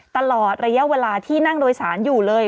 ตลอดระยะเวลาที่นั่งโดยสารอยู่เลย